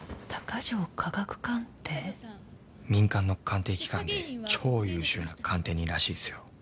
民間の鑑定機関で超優秀な鑑定人らしいっすよ。